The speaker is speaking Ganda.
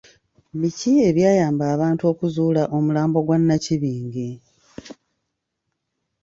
Biki ebyayamba abantu okuzuula omulambo gwa Nnakibinge?